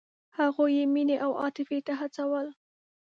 هغوی یې مینې او عاطفې ته هڅول.